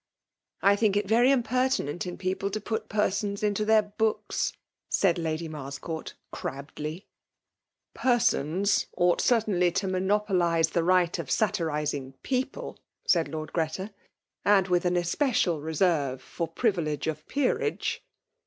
'^ I think, it very impertinent in people to put ; persons into their books !*' said Lady IM^firscpurt crabbedly. "^ertons ought certainly to monopolize the 196 FBUkUL nmiNATION. right of satirizing people" said Lord Greta ;'' and with an especial reserve far privilege of peerage."